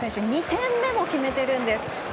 ２点目も決めているんです。